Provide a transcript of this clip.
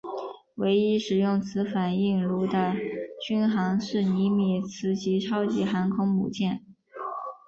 唯一使用此反应炉的军舰是尼米兹级超级航空母舰。